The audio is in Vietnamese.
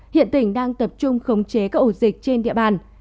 hiện tỉnh đang tập trung khống chế các ổ dịch trên địa bàn